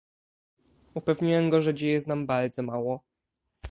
"Upewniłem go, że dzieje znam bardzo mało."